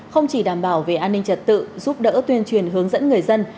không chỉ đảm bảo về an ninh trật tự giúp đỡ tuyên truyền hướng dẫn người dân